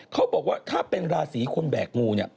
เขาบอกว่าถ้าเป็นราศีคนแบกงูเนี่ย